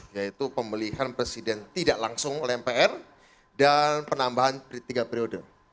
yaitu pemilihan presiden tidak langsung oleh mpr dan penambahan tiga periode